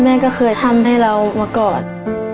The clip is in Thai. แม่ก็เคยทำให้เรามาก่อน